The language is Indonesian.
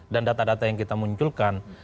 dan data data yang kita munculkan